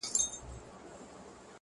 ما مي په اورغوي کي د فال نښي وژلي دي.!